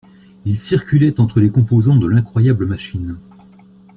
ils circulaient entre les composants de l’incroyable machine